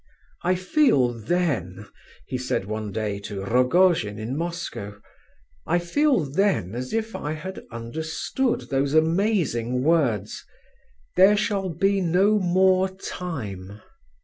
"I feel then," he said one day to Rogojin in Moscow, "I feel then as if I understood those amazing words—'There shall be no more time.